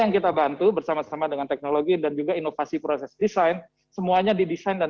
yang kita bantu bersama sama dengan teknologi dan juga inovasi proses desain semuanya didesain dan